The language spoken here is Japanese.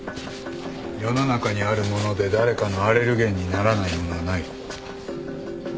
世の中にあるもので誰かのアレルゲンにならないものはない。